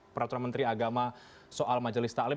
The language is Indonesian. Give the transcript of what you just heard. peraturan menteri agama soal majelis taklim